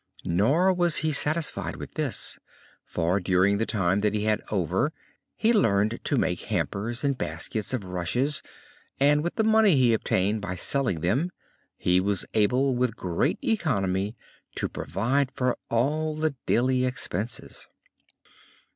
Nor was he satisfied with this; for, during the time that he had over, he learned to make hampers and baskets of rushes, and with the money he obtained by selling them he was able with great economy to provide for all the daily expenses.